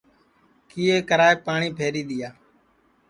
کیئے کرائیپ پاٹؔی پھری دؔیا